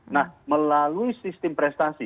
nah melalui sistem prestasi